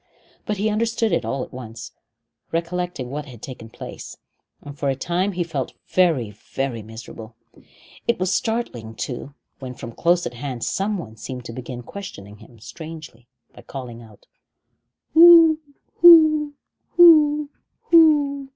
But he understood it all at once, recollecting what had taken place, and for a time he felt very, very miserable. It was startling, too, when from close at hand someone seemed to begin questioning him strangely by calling out: "Whoo who who who?"